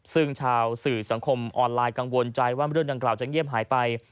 ซึ่งชาวสื่อสังคมออนไลน์กังวลใจว่าเรื่องดังกล่าวจะเงียบหายไป